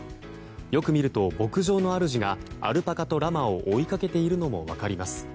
よく見ると牧場の主がアルパカとラマを追いかけているのも分かります。